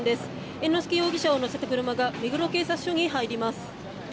猿之助容疑者を乗せた車が目黒警察署に入ります。